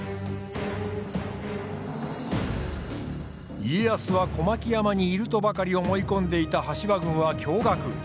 家康は小牧山にいるとばかり思い込んでいた羽柴軍は驚がく。